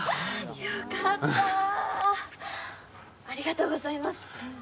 ありがとうございます。